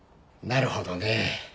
なるほどね。